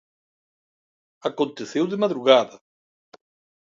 Aconteceu de madrugada.